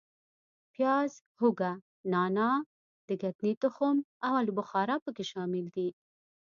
پیاز، هوګه، نانا، د ګدنې تخم او آلو بخارا په کې شامل دي.